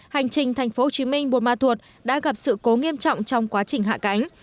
hành trình thành phố hồ chí minh bôn ma thuột đã gặp sự cố nghiêm trọng trong quá trình hạ cánh